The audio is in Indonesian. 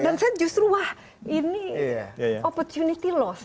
dan saya justru wah ini opportunity lost